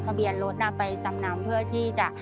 ทะเบียนรถไปจำนำเพื่อที่จะ